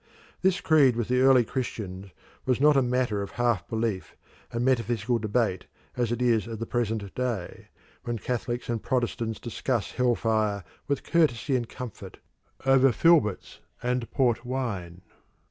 This creed with the early Christians was not a matter of half belief and metaphysical debate, as it is at the present day, when Catholics and Protestants discuss hell fire with courtesy and comfort over filberts and port wine.